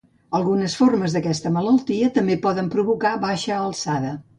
Algunes formes d'aquesta malaltia també poden provocar baixa alçada.